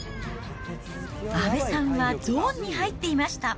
阿部さんはゾーンに入っていました。